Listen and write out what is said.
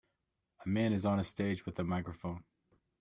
a man is on stage with a microphone.